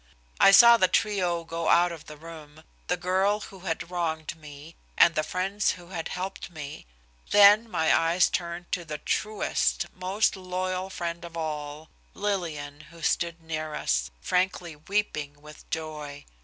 I saw the trio go out of the room, the girl who had wronged me, and the friends who had helped me. Then my eyes turned to the truest, most loyal friend of all, Lillian, who stood near us, frankly weeping with joy.